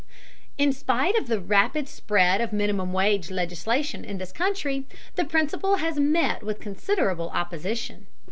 In spite of the rapid spread of minimum wage legislation in this country, the principle has met with considerable opposition.